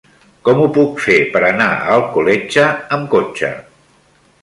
Com ho puc fer per anar a Alcoletge amb cotxe?